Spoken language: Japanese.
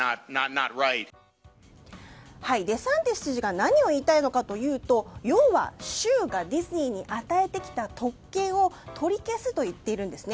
デサンティス知事が何を言いたいのかというと要は州がディズニーに与えてきた特権を取り消すと言っているんです。